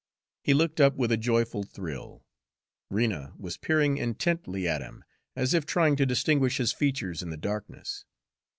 He looked up with a joyful thrill. Rena was peering intently at him, as if trying to distinguish his features in the darkness.